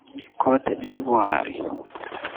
Côte d’Ivoire